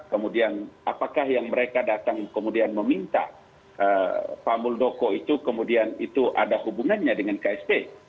kemudian apakah yang mereka datang kemudian meminta pak muldoko itu kemudian itu ada hubungannya dengan ksp